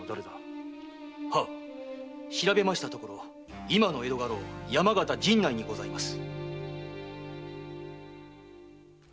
はっ調べましたところ今の江戸家老・山形陣内にございます。